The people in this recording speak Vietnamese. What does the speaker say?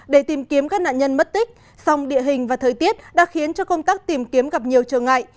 để tìm kiếm các nạn nhân mất tích song địa hình và thời tiết đã khiến cho công tác tìm kiếm gặp nhiều trở ngại